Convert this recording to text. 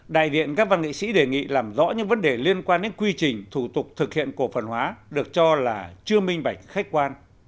đại diện các văn nghệ sĩ đề nghị làm rõ những vấn đề liên quan đến quy trình thủ tục thực hiện cổ phần hóa được cho là chưa minh bạch khách quan